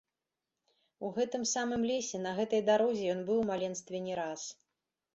У гэтым самым лесе, на гэтай дарозе ён быў у маленстве не раз.